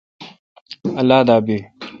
اللہ دا بیی۔